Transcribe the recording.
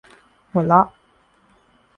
หัวเราะ